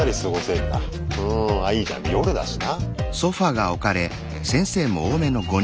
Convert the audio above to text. んあっいいじゃん夜だしな。